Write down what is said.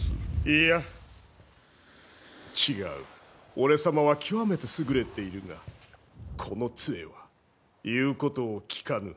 いいや違う俺様は極めて優れているがこの杖はいうことをきかぬ∈